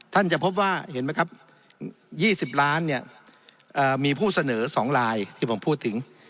จะพบว่าเห็นไหมครับ๒๐ล้านเนี่ยมีผู้เสนอ๒ลายที่ผมพูดถึง